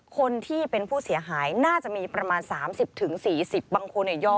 คนที่เป็นผู้เสียหายน่าจะมีประมาณ๓๐๔๐บางคนย่อ